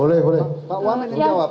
boleh boleh pak wamen yang jawab